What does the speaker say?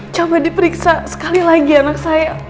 coba diperiksa sekali lagi anak saya